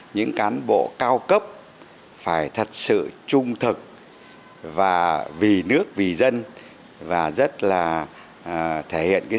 những cán bộ cao cấp phải thật sự trung thực và vì nước vì dân và thể hiện răn đeo rất lớn quyết tâm của đảng nhà nước